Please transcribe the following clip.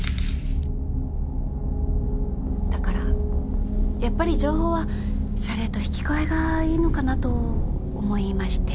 だからやっぱり情報は謝礼と引き換えがいいのかなと思いまして。